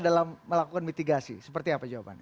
dalam melakukan mitigasi seperti apa jawabannya